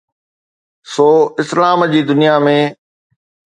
سو اسلام جي دنيا ۾.